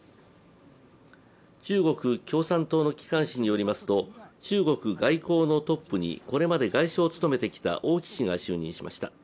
中国共産党の機関誌によりますと、中国外交のトップにこれまで外相を務めてきた王毅氏が就任しました。